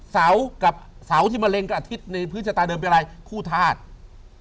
เสากับเสาที่มะเร็งกับอาทิตย์ในพื้นชะตาเดิมเป็นอะไรคู่ธาตุ